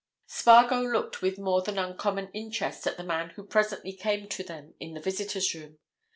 Spargo looked with more than uncommon interest at the man who presently came to them in the visitors' room.